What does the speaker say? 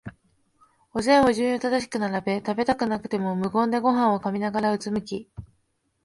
お膳を順序正しく並べ、食べたくなくても無言でごはんを噛みながら、うつむき、